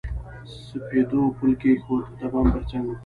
سپېدو پل کښېښود، د بام پر څنډو